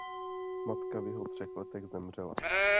Matka v jeho třech letech zemřela.